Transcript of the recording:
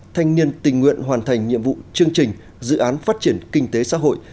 thanh niên tình nguyện hoàn thành nhiệm vụ chương trình dự án phát triển kinh tế xã hội